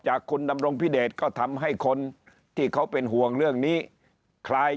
คุณดำรงพิเดชก็ทำให้คนที่เขาเป็นห่วงเรื่องนี้คลาย